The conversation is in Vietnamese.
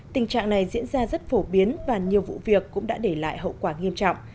tình trạng này diễn ra rất phổ biến và nhiều vụ việc cũng đã để lại hậu quả nghiêm trọng